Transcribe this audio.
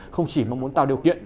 không chỉ mong muốn tạo điều kiện